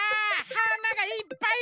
はながいっぱい！